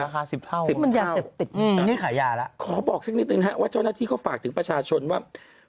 ราคา๑๐เท่านี่ขายยาละขอบอกซักนิดนึงนะครับว่าเจ้าหน้าที่เขาฝากถึงประชาชนว่า